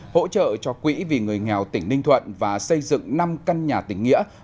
hỗ trợ cho quỹ vì người nghèo tỉnh ninh thuận và xây dựng năm căn nhà tỉnh nghĩa